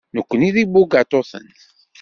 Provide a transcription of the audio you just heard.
Nekkni d ibugaṭuten.